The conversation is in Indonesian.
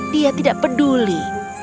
dia tidak peduli